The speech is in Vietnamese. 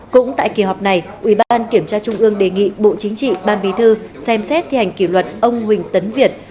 cũng tại kỳ họp này ủy ban kiểm tra trung ương đề nghị bộ chính trị ban bí thư xem xét thi hành kỷ luật ông huỳnh tấn việt